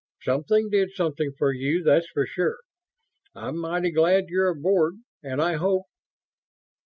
"Something did something for you, that's for sure. I'm mighty glad you're aboard, and I hope